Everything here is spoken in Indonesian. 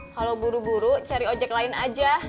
kalau buru buru cari ojek lain aja